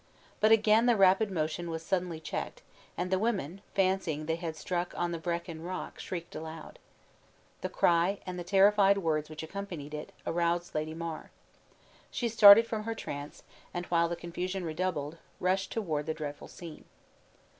But again the rapid motion was suddenly checked, and the women, fancying they had struck on the Vrekin Rock, shrieked aloud. The cry, and the terrified words which accompanied it, aroused Lady Mar. She started from her trance, and, while the confusion redoubled, rushed toward the dreadful scene.